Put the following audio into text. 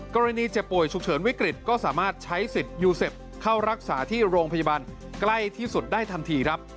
เจ็บป่วยฉุกเฉินวิกฤตก็สามารถใช้สิทธิ์ยูเซฟเข้ารักษาที่โรงพยาบาลใกล้ที่สุดได้ทันทีครับ